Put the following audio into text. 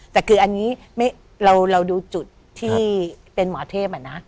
แต่คืออันนี้เราดูจุดที่เป็นหมอเทพอะนะ